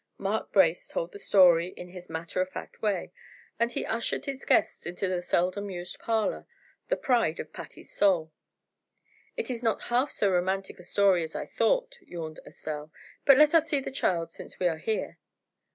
Mark Brace told the story in his matter of fact way, as he ushered the guests in the seldom used parlor, the pride of Patty's soul. "It is not half so romantic a story as I thought," yawned Lady Estelle; "but let us see the child since we are here."